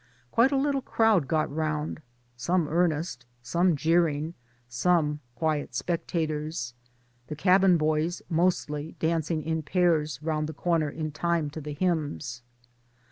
Quite a little crowd got round, some earnest, some jeering, some quiet spectators ŌĆö (the cabin boys mostly dancing in pairs round the comer in time to the hymns).